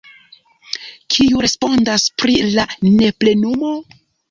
Kiu respondecas pri la neplenumo?